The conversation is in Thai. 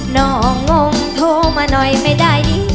งงโทรมาหน่อยไม่ได้ดี